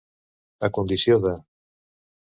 A condició de.